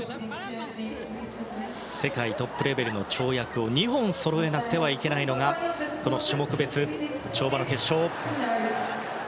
世界トップレベルの跳躍を２本そろえなくてはいけないのが種目別跳馬の決勝。